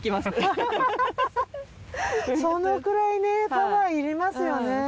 そのくらいねパワーいりますよね。